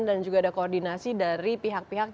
juga ada koordinasi dari pihak pihak